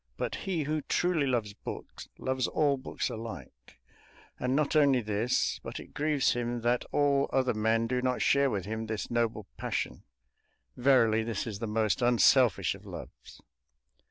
But he who truly loves books loves all books alike, and not only this, but it grieves him that all other men do not share with him this noble passion. Verily, this is the most unselfish of loves!